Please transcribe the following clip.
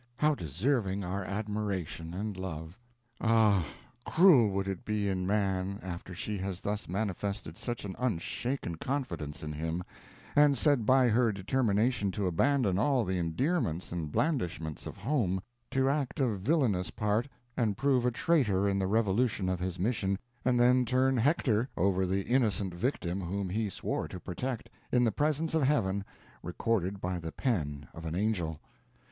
How deserving our admiration and love! Ah cruel would it be in man, after she has thus manifested such an unshaken confidence in him, and said by her determination to abandon all the endearments and blandishments of home, to act a villainous part, and prove a traitor in the revolution of his mission, and then turn Hector over the innocent victim whom he swore to protect, in the presence of Heaven, recorded by the pen of an angel.